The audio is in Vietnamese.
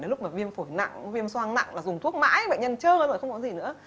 đến lúc mà viêm phổi nặng viêm soang nặng là dùng thuốc mãi vậy nhân chơ rồi không có gì nữa